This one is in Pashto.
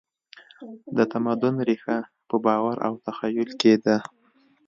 د تمدن ریښه په باور او تخیل کې ده.